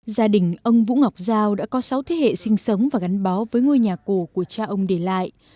gia đình ông vũ ngọc giao đã có sáu thế hệ sinh sống và gắn bó với ngôi nhà cổ của cha ông để lại